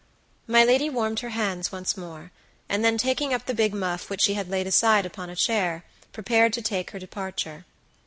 My lady warmed her hands once more, and then taking up the big muff which she had laid aside upon a chair, prepared to take her departure.